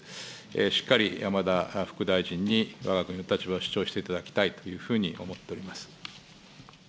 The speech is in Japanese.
しっかり山田副大臣にわが国の立場を主張していただきたいというふうに思っております。